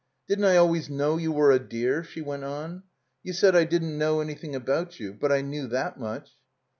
"Didn't I always know you were a dear?" she went on. "You said I didn't know anjrthing about you. But I knew that much."